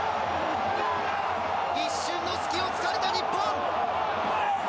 一瞬の隙を突かれた日本。